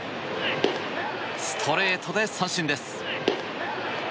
ストレートで三振です。